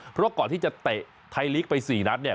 เพราะก่อนที่จะเตะไทยลีกไป๔นัดเนี่ย